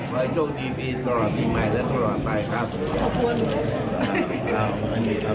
ขอให้โชคดีตลอดปีใหม่และตลอดไปครับ